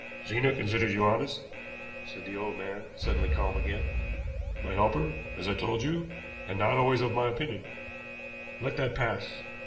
"Zena considers you honest," said the old man, suddenly calm again. "My helper, as I told you, and not always of my opinion. Let that pass.